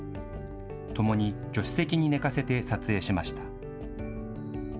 ともに助手席に寝かせて撮影しました。